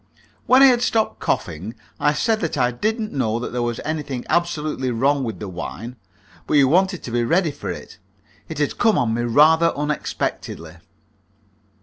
When I had stopped coughing I said that I didn't know that there was anything absolutely wrong with the wine, but you wanted to be ready for it. It had come on me rather unexpectedly.